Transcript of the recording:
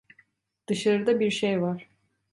Dışarıda bir şey var.